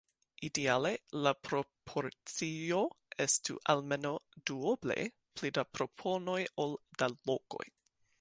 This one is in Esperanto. Ideale la proporcio estu almenaŭ duoble pli da proponoj ol da lokoj.